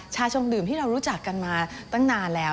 ชงดื่มที่เรารู้จักกันมาตั้งนานแล้ว